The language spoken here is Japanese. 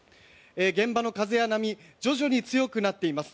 現場の風や波徐々に強くなっています。